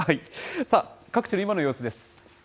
さあ、各地の今の様子です。